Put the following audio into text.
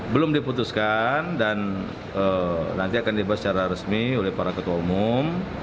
belum diputuskan dan nanti akan dibahas secara resmi oleh para ketua umum